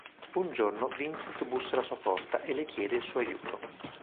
Un giorno Vincent bussa alla sua porta e le chiede il suo aiuto.